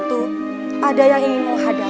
tidak ada yang ingin menghadap